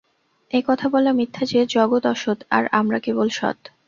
এ-কথা বলা মিথ্যা যে, জগৎ অসৎ আর আমরা কেবল সৎ।